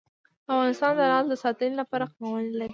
افغانستان د لعل د ساتنې لپاره قوانین لري.